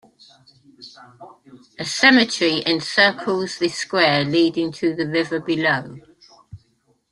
A cemetery encircles the square, leading to the river below.